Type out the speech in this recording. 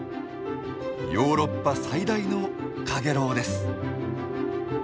ヨーロッパ最大のカゲロウです。